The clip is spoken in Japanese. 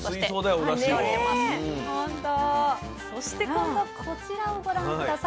そして今度こちらをご覧下さい。